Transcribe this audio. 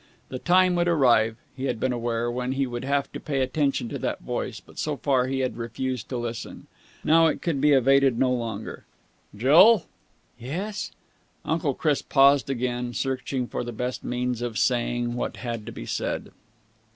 The time would arrive, he had been aware, when he would have to pay attention to that voice, but so far he had refused to listen. Now it could be evaded no longer. "Jill." "Yes?" Uncle Chris paused again, searching for the best means of saying what had to be said.